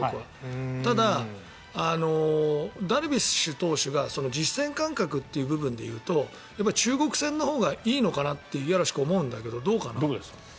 ただ、ダルビッシュ投手が実戦感覚という部分でいうと中国戦のほうがいいのかなって五十嵐君、思うんだけどどうかな。